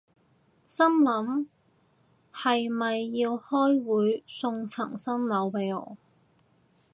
心諗係咪要開會送層新樓畀我